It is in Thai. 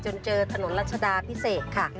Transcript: เจอถนนรัชดาพิเศษค่ะ